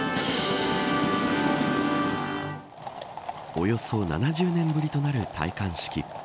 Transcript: およそ７０年ぶりとなる戴冠式。